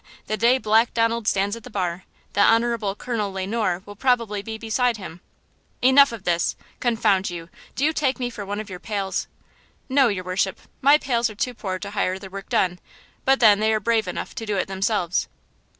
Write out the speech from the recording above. The day Black Donald stands at the bar–the honorable Colonel Le Noir will probably be beside him!" "Enough of this! Confound you, do you take me for one of your pals?" "No, your worship, my pals are too poor to hire their work done, but then they are brave enough to do it themselves."